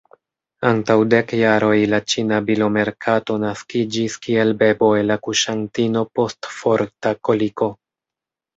Antaŭ dek jaroj la ĉina bilomerkato naskiĝis kiel bebo el akuŝantino post forta koliko.